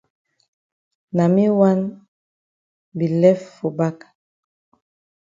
Na me wan do lef for back.